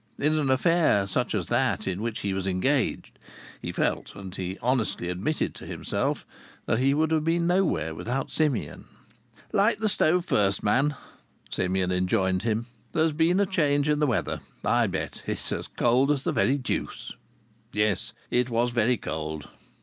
In an affair such as that in which he was engaged, he felt, and he honestly admitted to himself, that he would have been nowhere without Simeon. "Light the stove first, man," Simeon enjoined him. "There's been a change in the weather, I bet. It's as cold as the very deuce." Yes, it was very cold.